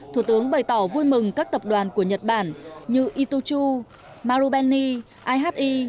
thủ tướng bày tỏ vui mừng các tập đoàn của nhật bản như ituchu marubeni ahi